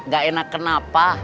gak enak kenapa